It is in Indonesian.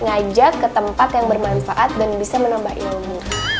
diajak ke tempat yang bermanfaat dan bisa menambah ilmu